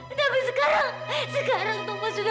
eh tapi sekarang sekarang